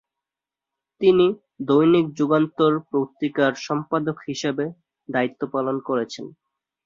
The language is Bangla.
তিনি দৈনিক যুগান্তর পত্রিকার সম্পাদক হিসেবে দায়িত্ব পালন করছেন।